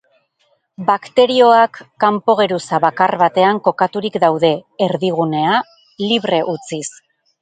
Bakterioak kanpo-geruza bakar batean kokaturik daude, erdigunea libre utziz.